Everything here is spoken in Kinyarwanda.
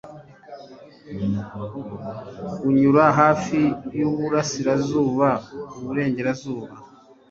unyura hafi yuburasirazuba-uburengerazuba